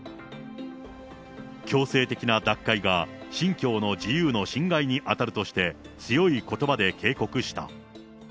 強制的な脱会が信教の自由の侵害に当たるとして、強いことばで警告した。